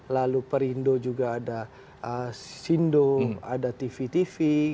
lalu perindo juga ada sindo ada tv tv